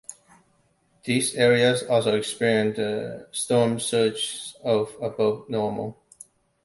These areas also experienced storm surges of above normal.